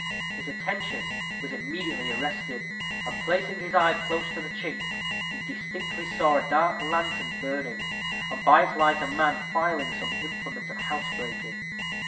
His attention was immediately arrested, and placing his eye close to the chink, he distinctly saw a dark lantern burning, and by its light a man filing some implement of housebreaking.